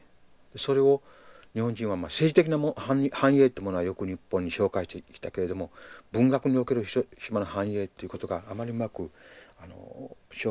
それを日本人は政治的な反映ってものはよく日本に紹介してきたけれども文学における広島の反映ってことがあまりうまく紹介されてこなかった。